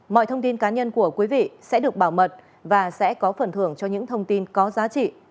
mọi thông tin cá nhân của quý vị sẽ được bảo mật và sẽ có phần thưởng cho những thông tin có giá trị